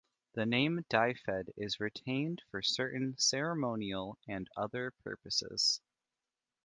The name "Dyfed" is retained for certain ceremonial and other purposes.